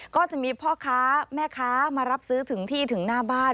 ก็จะมีพ่อค้าแม่ค้ามารับซื้อถึงที่ถึงหน้าบ้าน